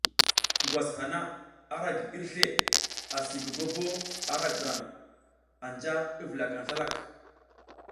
Ngwas hana ara gi irsle asi gogobo ara grang, anja i vulakang slalak.